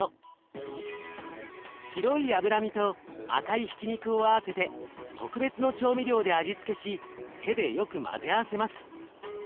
白い脂身と赤いひき肉を合わせて特別の調味料で味付けし手でよく混ぜ合わせます。